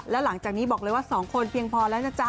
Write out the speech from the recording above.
แล้วหลังจากนี้บอกเลยว่า๒คนเพียงพอแล้วนะจ๊ะ